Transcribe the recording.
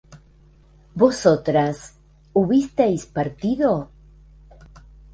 ¿vosotras hubisteis partido?